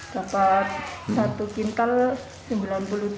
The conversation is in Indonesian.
dapat satu kintal